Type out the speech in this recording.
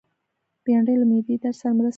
بېنډۍ له معدې درد سره مرسته کوي